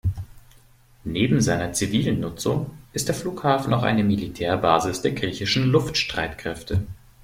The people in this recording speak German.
Neben seiner zivilen Nutzung ist der Flughafen auch eine Militärbasis der griechischen Luftstreitkräfte.